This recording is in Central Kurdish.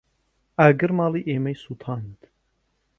ئاگر ماڵی ئێمەی سوتاند.